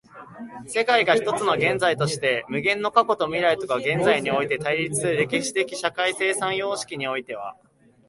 世界が一つの現在として、無限の過去と未来とが現在において対立する歴史的社会的生産様式においては、